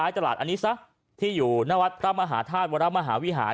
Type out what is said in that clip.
ตลาดอันนี้ซะที่อยู่หน้าวัดพระมหาธาตุวรมหาวิหาร